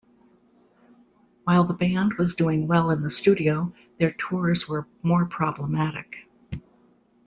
While the band was doing well in the studio, their tours were more problematic.